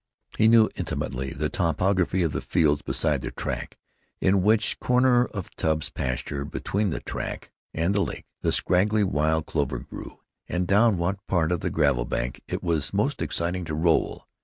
He knew intimately the topography of the fields beside the track; in which corner of Tubbs's pasture, between the track and the lake, the scraggly wild clover grew, and down what part of the gravel bank it was most exciting to roll.